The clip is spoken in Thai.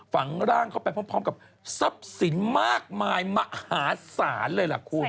ฝังร่างเข้าไปพร้อมกับทรัพย์สินมากมายมหาศาลเลยล่ะคุณ